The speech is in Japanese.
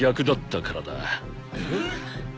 えっ！？